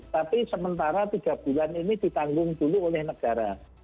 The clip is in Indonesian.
tapi sementara tiga bulan ini ditanggung dulu oleh negara